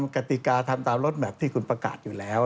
กติกาทำตามรถแมพที่คุณประกาศอยู่แล้ว